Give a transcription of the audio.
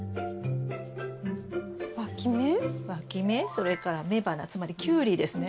それから雌花つまりキュウリですね。